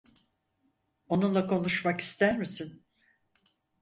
Onunla konuşmak ister misin?